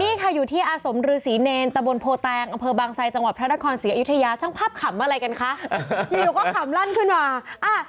นี่ค่ะอยู่ที่อาสมฤษีเนรตะบนโพแตงอำเภอบางไซจังหวัดพระนครศรีอยุธยาช่างภาพขำอะไรกันคะอยู่ก็ขำลั่นขึ้นมา